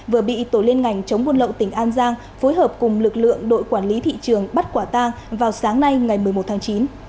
vừa bị tổ liên ngành chống buôn lậu tỉnh an giang phối hợp cùng lực lượng đội quản lý thị trường bắt quả tang vào sáng nay ngày một mươi một tháng chín